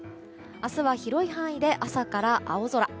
明日は広い範囲で朝から青空。